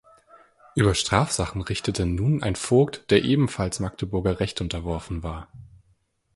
Über Strafsachen richtete nun ein Vogt, der ebenfalls Magdeburger Recht unterworfen war.